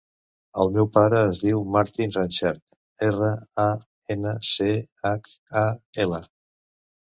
El meu pare es diu Martín Ranchal: erra, a, ena, ce, hac, a, ela.